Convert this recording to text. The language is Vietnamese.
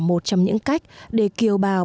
một trong những cách để kiều bào